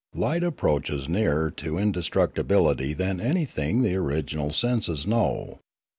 Light approaches nearer to inde structibility than anything the original senses know.